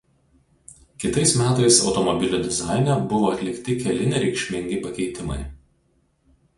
Kitais metais automobilio dizaine buvo atlikti keli nereikšmingi pakeitimai.